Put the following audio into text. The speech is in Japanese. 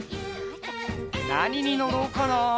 なににのろうかな？